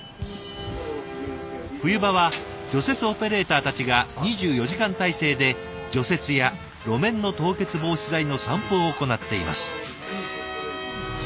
冬場は除雪オペレーターたちが２４時間体制で除雪や路面の凍結防止剤の散布を行っています。